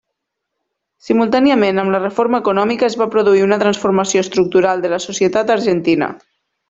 Simultàniament amb la reforma econòmica es va produir una transformació estructural de la societat argentina.